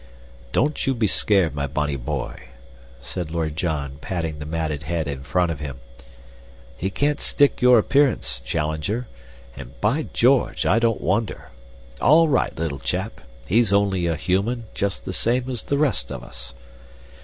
"Don't you be scared, my bonnie boy," said Lord John, patting the matted head in front of him. "He can't stick your appearance, Challenger; and, by George! I don't wonder. All right, little chap, he's only a human, just the same as the rest of us."